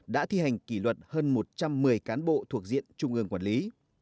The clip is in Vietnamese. đã thi hành kỷ luật hơn một trăm một mươi cán bộ thuộc diện trung ương quản lý